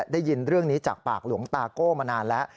ได้ยินเรื่องนี้จากปากหลวงตาโก้มานานแล้ว